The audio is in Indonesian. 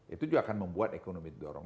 itu juga akan membuat ekonomi didorong